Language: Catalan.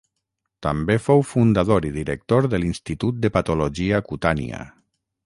També fou fundador i director de l’Institut de Patologia Cutània.